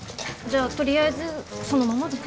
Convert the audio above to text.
じゃあとりあえずそのままで。